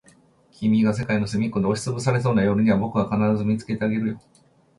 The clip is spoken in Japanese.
君が世界のすみっこで押しつぶされそうな夜には、僕が必ず見つけてあげるよ。